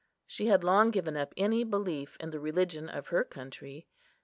She had long given up any belief in the religion of her country.